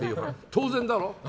当然だろ。